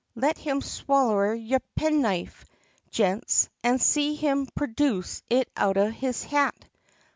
Let him swaller your penknife, gents, and see him projuce it outa his hat.